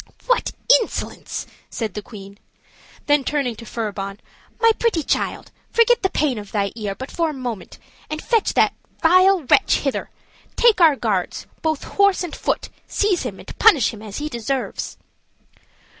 "What insolence!" said the queen: then turning to Furibon, "my pretty child, forget the pain of thy ear but for a moment, and fetch that vile wretch hither; take our guards, both horse and foot, seize him, and punish him as he deserves."